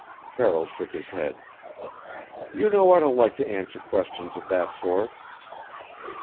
Carroll shook his head. "You know I don't like to answer questions of that sort."